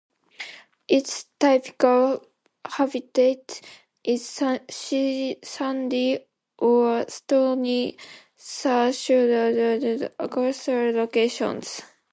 Its typical habitat is sandy or stony seashores and other coastal locations.